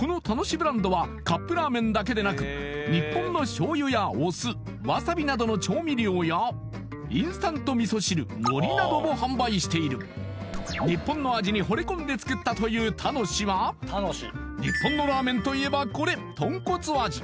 ブランドはカップラーメンだけでなく日本の醤油やお酢わさびなどの調味料やインスタント味噌汁海苔なども販売している日本の味にほれ込んで作ったというＴＡＮＯＳＨＩは日本のラーメンといえばこれとんこつ味